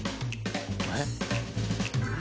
えっ？